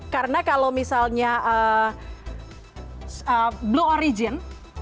karena kalau misalnya blue origin